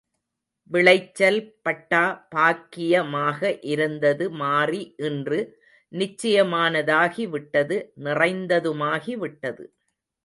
விளைச்சல் பட்டா பாக்கிய மாக இருந்தது மாறி இன்று நிச்சயமானதாகிவிட்டது நிறைந்ததுமாகிவிட்டது.